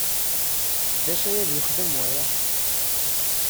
D acu aya d-yexdem waya?